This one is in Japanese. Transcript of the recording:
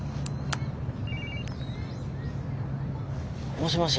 もしもし？